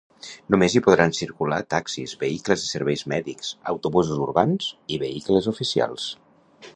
Només hi podran circular taxis, vehicles de serveis mèdics, autobusos urbans i vehicles oficials.